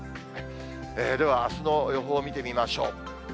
では、あすの予報見てみましょう。